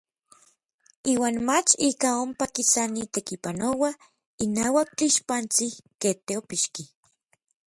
Iuan mach ikaj ompa kisani tekipanoua inauak tlixpantsin kej teopixki.